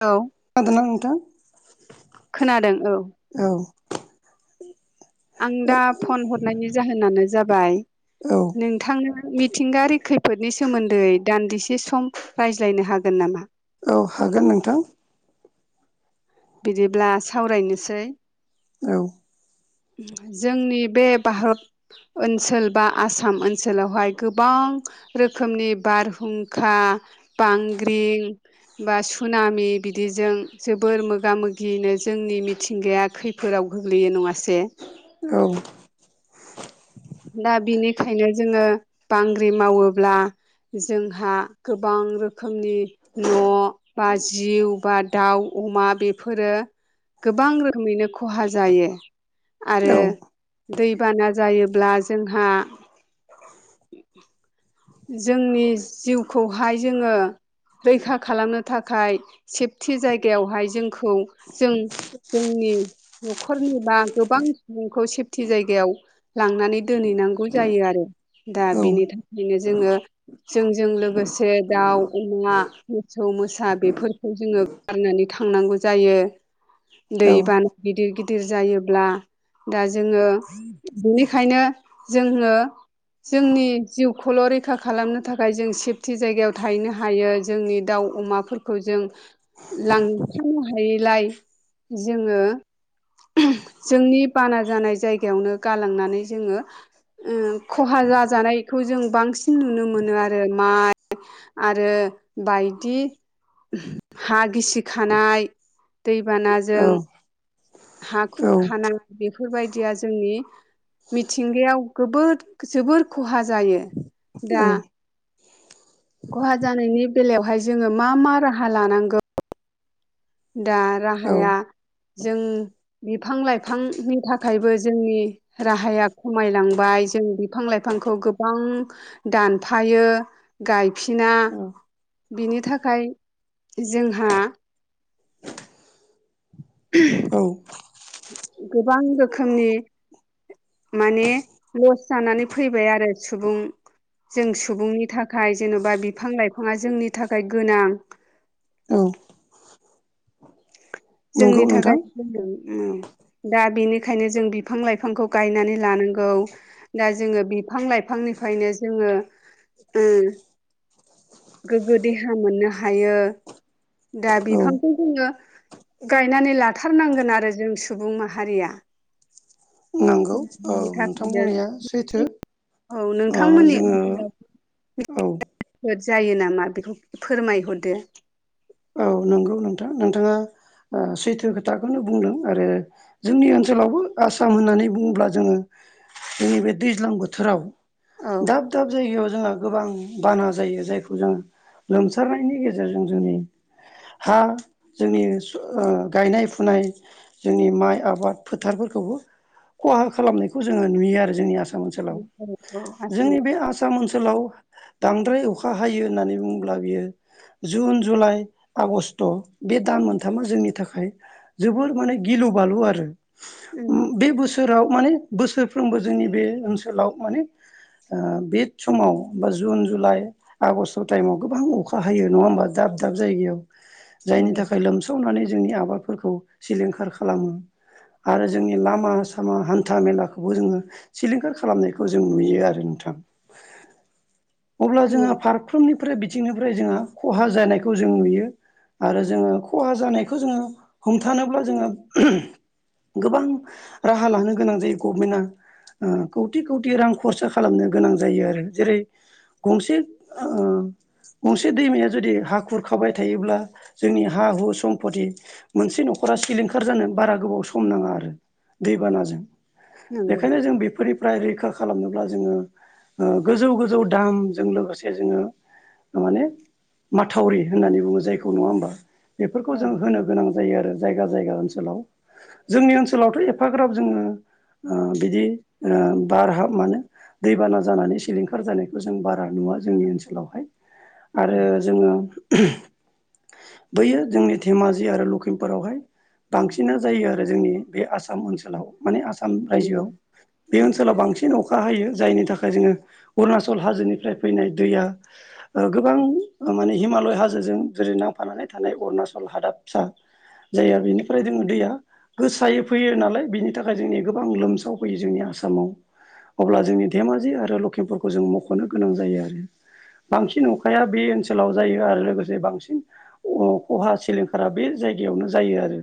औ खोदोंना नोंथां? खोनादों औ औ आं दा फन हरनायनि जाहोनानो जाबाय औ नों नोंथाङा मिथिंगायारि खैफोदनि सोमोन्दै दान्दिसे सम रायज्लायनो हागोन नामा? औ हागोन नोंथां बिदिब्ला सावरायनोसै औ जोंनि बे भारत ओनसोल बा आसाम ओनसोलावहाय गोबां रोखोमनि बारहुंखा बांग्रिं बा सुनामि बिदिजों जोबोर मोगा मोगिनो जोंनि मिथिंगाया खैफोद फोराव गोग्लैयो नङासे औ दा बिनिखायनो जोङो बांग्रिं मावोब्ला जोंहा गोबां रोखोमनि न' बा जिउ बा दाउ अमा बेफोरो गोबां रोखोमैनो खहा जायो औ आरो दैबाना जायोब्ला जोंहा जोंनि जिउखौहाय जोङो रैखा खालामनो थाखाय सेफथि जायगायावहाय जोंखौ जों जोंनि न'खरनिबा गोबां सुबुंखौ सि पथि जायगायाव लांनानै दोनहैनांगौ जायो आरो दा औ बेनि थाखायनो जोङो जोंजों लोगोसे दाउ अमा मोसौ मोसा बेफोरखौ जोङो गारनानै थांनांगौ जायो औ दैबाना गिदिर गिदिर जायोब्ला दा जोङो बेनिखायनो जोङो जोंनि जिउखौल' रैखा खालामनो थाखाय जों सेफटि जायगायाव थाहैनो हायो जोंनि दाउ अमाफोरखौ जों लांफानो हायैलाय जोङो जोंनि बाना जानाय जायगायावनो गालांनानै जोङो ओम खहा जाजानाय खौ जों बांसिन नुनो मोनो आरो माइ आरो बायदि हा गिसि खानाय दैबानाजों हा खुरखानाय बेफोरबायदिया जोंनि मिथिंगायाव गोबोद जोबोर खहा जायो दा खहा जानायनि बेलायावहाय जोङो मा मा राहा लानांगौ दा औ राहाया जों बिफां लाइफांनि थाखायबो जोंनि राहाया खमायलांबाय जों बिफां लाइफांखौ गोबां दानफायो गायफिना बिनि थाखाय जोंहा [inaudible] औ गोबां रोखोमनि माने लस जानानै फैबाय आरो सुबुं जों सुबुंनि थाखाय जेन'बा बिफां लाइफाङा जोंनि थाखाय गोनां औ नंगौ जोंनि थाखाय नोंथां [unintelligible] दा बेनिखायनो जों बिफां लाइफांखौ गायनानै लानांगौ दा जोङो बिफां लाइफांनिफ्रायनो जोङो ओम गोग्गो देहा मोननो हायो दा औ बिफांखौ जोङो गायनानै लाथारनांगोन आरो जों सुबुं माहारिया नांगौ औ बिनि नोंथां थाखायनो बुंनाया सैथो औ ओ नोंथांमोननि जोङो ओनसोलाव औ फोद जायो नामा बेखौ फोरमायहरदो औ नोंगौ नोंथां नोंथाङा ओ सैथो खोथाखौनो बुंदों आरो जोंनि ओनसोलावबो आसाम होननानै बुङोब्ला जोङो जोंनि बे दैज्लां बोथोराव औ दाब दाब जायगायाव जोंहा गोबां बाना जायो जायखौ जों लोमसारनायनि गेजेरजों जोंनि हा जोंनि ज ओ गायनाय फुनाय जोंनि माइ आबाद फोथारफोरखौबो खहा खालामनायखौ जोङो नुयो आरो जोंनि आसाम आसाम ओनसोलाव उम जोंनि बे आसाम आसाम ओनसोलाव बांद्राय अखा हायो होननानै बुङोब्ला बियो जुन जुलाइ आगस्ट बे दान मोनथामा जोंनि थाखाय जोबोर माने गिलु बालु आरो बे बोसोराव माने बोसोरफ्रोमबो जोंनि बे ओनसोलाव माने बे समाव बा जुन जुलाइ आगस्ट टाइमाव गोबां अखा हायो नङा होमबा दाब दाब जायगायाव जायनि दे थाखाय लोम सावनानै जोंनि आबादफोरखौ सिलिंखार खालामो आरो जोंनि लामा सामा हान्था मेलाखौबो जोङो सिलिंखार खालामनायखौ जों नुयो आरो नोंथां। [inaudible] अब्ला जोङो नंगौ फारफ्रोमनिफ्राय बिथिंनिफ्राय जोंहा खहा जानाय खौ जों नुयो आरो जोङो खहा जानायखौ जोङो हमथानोब्ला जोङो गोबां राहा लानो गोनां जायो गभमेन्टआ ओ खौथि खौथि रां खरसा खालामनो गोनां जायो आरो जेरै गंसे ओ गंसे दैमाया जुदि हा खुरखाबाय थायोब्ला जोंनि हा हु सम्पति मोनसे न'खरा सिलिंखार जानो बारा गोबाव सम नाङा आरो दैबानाजों नंगौ बेखायनो जों बेफोरनि फ्राय रैखा खालामनोब्ला जोङो ओ गोजौ गोजौ दामजों लोगोसे जोङो माने माथावरि होननानै बुङो जायखौ नङा होमबा बेफोरखौ जों औ होनो गोनां जायो आरो जायगा जायगा ओनसोलाव जोंनि ओनसोलावथ' एफाग्राब जोङो ओ बिदि ओ बार हाब मानो दैबाना जानानै सिलिंखार जानायखौ जों बारा नुवा जोंनि ओनसोलावहाय औ आरो जोङो बैयो जोंनि धेमाजि आरो लखिमपुरावहाय बांसिना जायो आरो जोंनि बे आसाम ओनसोलाव। माने आसाम रायजोआव नंगौ बे औ ओनसोलाव बांसिन अखा खा हायो जायनि थाखाय जोङो उरुणाचल हाजोनिफ्राय फैनाय दैया ओ गोबां माने हिमालय हाजोजों जेरै नांफानानै थानाय अरुणाचल हादाबसा जाया बेनिफ्राय जोंङो दैया गोसायो फैयो नालाय बिनि थाखाय जोंनि गोबां लोमसावफैयो जोंनि आसामाव। अब्ला जोंनि धेमाजि आरो लखिमपुरखौ जों मख'नो गोनां जायो आरो बांसिन अखाया बे ओनसोलाव जायो आरो लोगोसे बांसिन अ खहा सिलिंखारा बे जायगायावनो जायो आरो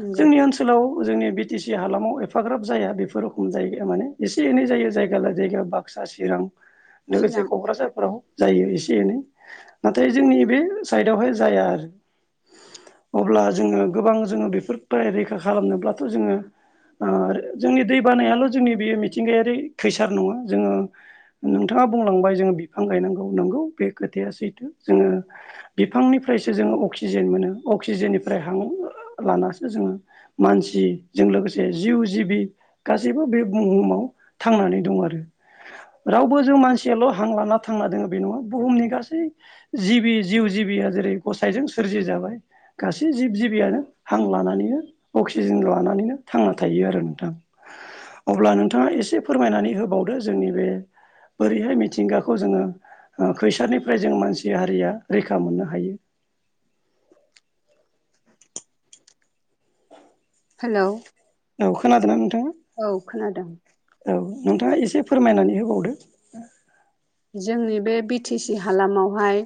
नंगौ जोंनि ओनसोन सोलाव जोंनि बि टि सि हालामाव एफाग्राब जाया बेफोर रखम जायगो माने एसे एनै जायो जायगा ला जायगा बा बाक्सा चिरां [inaudible] लोगोसे क'क्राझारफोराव जायो एसे एनै नाथाय जोंनि बे साइडआवहाय जाया आरो अब्ला जोंङो गोबां जोंङो बेफोरफ्राय रैखा खालामनोब्लाथ' जोंङो आरो जोंनि दै बानायाल' जोंनि बेयो मिथिंगायारि खैसार नंङा जोंङो नोंथांङा बुंलांबाय जोंङो बिफां गायनांगौ नोंगौ बे खोथाया सैथो जोंङो बिफांनिफ्रायसो जोंङो अक्सिजेन मोनो अक्सिजेननिफ्राय हां लानासो जोंङो मानसिजों लोगोसे जिउ जिबि गासैबो बे बुहुमाव थांनानै दं आरो रावबो जों मानसियाल' हां लाना थांना दोङो बे नंङा बुहुमनि गासै जिबि जिउ जिबिया जेरै गसाइजों सोरजि जाबाय गासै जिब जिबियानो हां लानानैनो अक्सिजेन लानानैनो थांना थायो आरो नोंथां अब्ला नोंथांङा एसे फोरमायनानै होबावदो जोंनि बे ओरैहाय मिथिंगाखौ जोंङो ओ खैसारनिफ्राय जों मानसि हारिया रैखा मोननो हायो। हेलौ औ खोनादोंना नोंथांङा औ खोनादों। औ नोंथांङा एसे फोरमायनानै होबावदो। जोंनि बे बि टि सि हालामावहाय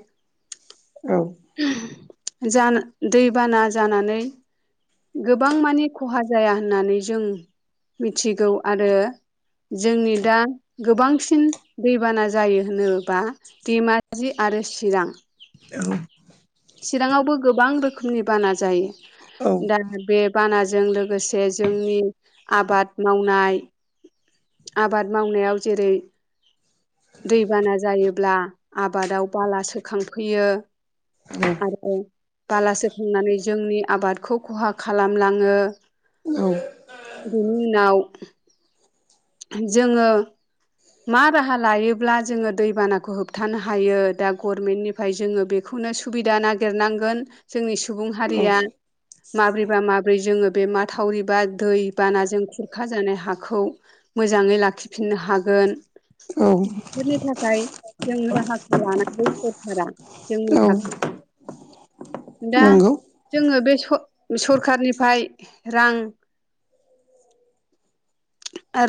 औ जा दैबाना जानानै गोबां मानि खहा जाया होननानै जों मिथिगौ आरो जोंनि दा गोबांसिन दैबाना जायो होनोबा धेमाजि आरो चिरां औ चिरांङावबो गोबां रोखोमनि बाना औ जायो दा बे बानाजों लोगोसे जोंनि आबाद मावनाय आबाद मावनायाव जेरै दैबाना जायोब्ला आबादाव बाला सोखांफैयो औ बालासे थांनानै जोंनि आबादखौ खहा खालामलांङो। औ बिनि उनाव जोंङो मा राहा लायोब्ला जोंङो दैबानाखौ होबथानो हायो दा गभर्नमेन्टनिफ्राय जोंङो बे बेखौनो सुबिदा नागिरनांगोन जोंनि सुबुं हारिया औ माबोरैबा माबोरै जोंङो बे माथावरि बा दै बानाजों खुरखा जानाय हाखौ मोजांङै लाखिफिननो हागोन औ बेफोरनि थाखाय जों राहाखौ लानांगौ सरखारा जोंनि औ थाखाय दा नंगौ जोङो बे सरखारनिफ्राय रां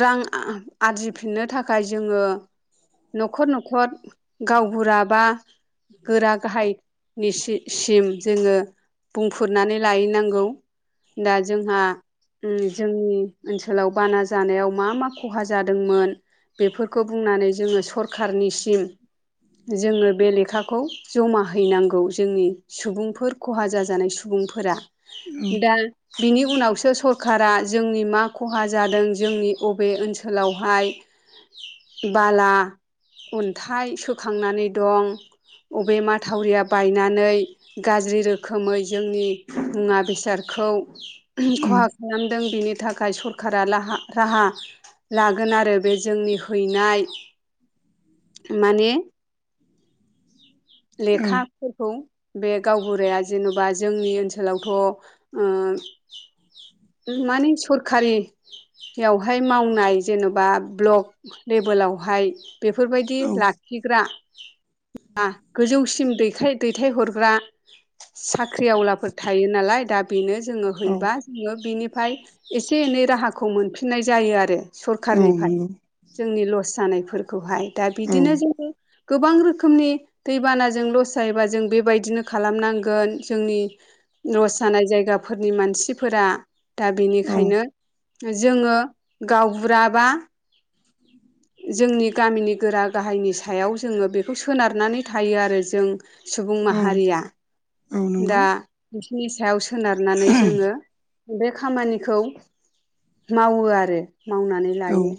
रां आरजिफिननो थाखाय जोङो न'खर न'खर गावबुराबा गोरा गाहायनिसिम जोङो बुंफोरुरनानै लायनांगौ दा जोंहा जोंनि ओनसोलाव बाना जानायाव मा मा खहा जादोंमोन बेफोरखौ बुंनानै जोङो सरखारनिसिम जोङो बे लेखाखौ जमा हैनांगौ जोंनि सुबुंफोर खहा जाजानाय सुबुंफोरा दा बिनि उनावसो सरखारा जोंनि मा खहा जादों जोंनि बबे ओनसोलावहाय बाला अन्थाइ सोखांनानै दं अबे माथावरिया बायनानै गाज्रि रोखोमै जोंनि मुवा बेसादखौ खहा औ खालामदों बेनि थाखाय सरखारा लाहा राहा लागोन आरो बे जोंनि हैनाय माने औ लेखा फोरखौ बे गावबुराया जेन'बा जोंनि ओनसोलावथ' ओ मानिे सरखारियावहाय मावनाय जेन'बा ब्लक लेभेलावहाय बेफोरबायदि औ लाखिग्रा गोजौसिम दैथाय दैथाय हरग्रा साख्रि आवलाफोर थायो नालाय दा बेनो जोङो औ हैबा जोङो बेनिफ्राय एसे एनै राहाखौ मोनफिननाय जायो आरो औ सरखारारनिफ्राय नंगौ जोंनि लस जानायफोरखौहाय दा औ बिदिनो जोङो गोबां रोखोमनि दैबानाजों लस जायोबा जों बेबायदिनो खालामनांगोन जोंनि नस जानाय जायगाफोरनि मानसिफोरा दा औ बेनिखायनो जोङो गावबुराबा जोंनि गामिनि गोरा गाहायनि सायाव जोङो बेखौ सोनारनानै थायो आरो जों सुबुं औ माहारिया औ नंगौ दा बिसिनि सायाव सोनारनानै जोङो बे खामानिखौ मावो आरो मावनानै औ लायो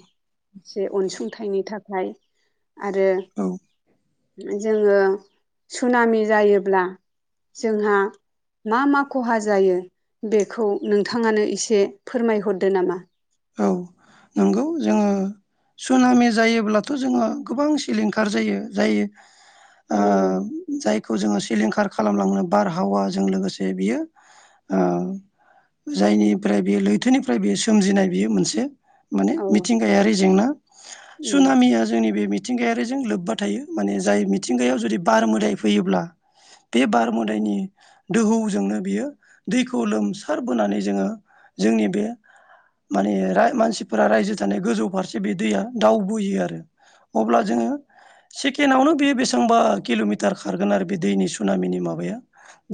जे अनसुंथाइनि थाखाय आरो औ जोङो सुनामि जायोब्ला जोंहा मा मा खहा जायो बेखौ नोंथाङानो एसे फोरमायहरदो नामा औ नंगौ जोङो सुनामि जायोब्लाथ' जोङो गोबां सिलिंखार जायो जायो उ जायखौ जोङो सिलिंखार खालामलांनो बारहावाजों लोगोसे बियो जायनिफ्राय बे लैथोनिफ्राय बेयो सोमजिनाय बेयो मोनसे माने औ मिथिंगायारि जेंना उम सुनामिया जोंनि बे मिथिंगायारिजों लोब्बा थायो माने जाय मिथिंगायाव जुदि बार मोदाय फैयोब्ला बे बार मोदायनि दोहौजोंनो बियो दैखौ लोमसारबोनानै जोङो जोंनि बे माने मानसिफोरा रायजो थानाय गोजौ फारसे बे दैया दावबोयो आरो अब्ला जोङो सेकेणडआवनो बेयो बेसेबांबा किल'मिटार खारगोन आरो बे दैनि सुनामिनि माबाया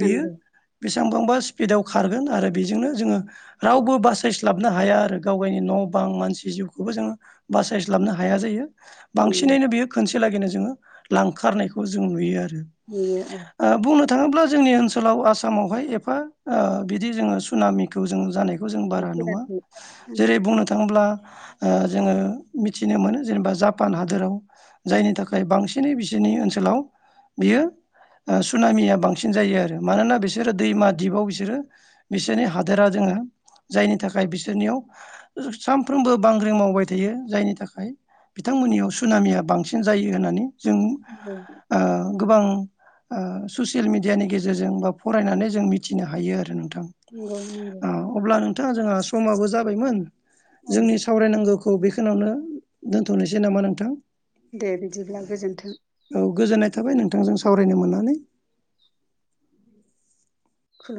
बेयो बेसेबांबांबा स्पिडाव खारगोन आरो बेजोंनो जोङो रावबो बासायस्लाबनो हाया आरो गाव गावनि न' बां मानसि जिउखौबो जोङो बासायस्लाबनो हाया जायो नंगौ बांसिनैनो बेयो खोनसे लागैनो जोङो लांखारनायखौ जों नुयो आरो नुयो औ ओ बुंनो थाङोब्ला जोंनि ओनसोलाव आसामावहाय एफा ओ बिदि जोङो सुनामिखौ जों जानाय खौ जों बारा नुवा नुफेराखै जेरै बुंनो थाङोब्ला ओ जोङो मिथिनो मोनो जेनेबा जापान हादोराव जायनि थाखाय बांसिनै बिसोरनि ओनसोलाव बियो ओ सुनामिया बांसिन जायो आरो मानोना बिसोरो दैमा दिपाव बिसोरो बिसोरनि हादोरा दोङो जायनि थाखाय बिसोर बिसोरनियाव सानफ्रोमबो बांग्रि मावबाय थायो जायनि थाखाय बिथांमोननियाव सुनामिया बांसिन जायो होननानै ओ जों नंगौ गोबां ओ ससियेल मिडियानि गेजेरजों बा फरायनानै जों मिथिनो हायो आरो नोंथां नंगौ नंगौ ओ अब्ला नोंथाङा जोंहा समाबो जाबायमोन जोंनि औ सावरायनांगौखौ बेखौनावनो दोनथनोसै नामा नोंथां दे बिदिब्ला गोजोन्थों औ गोजोननाय थाबाय नोंथांजों सावरायनो मोननानै खुलुम